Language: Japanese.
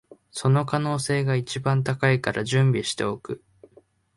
その可能性が一番高いから準備しておく